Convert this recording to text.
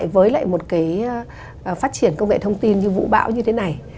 với lại một cái phát triển công nghệ thông tin như vũ bão như thế này